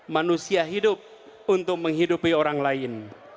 manusia hidup untuk menghidupi orang lain